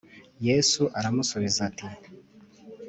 Yesu aramusubiza ati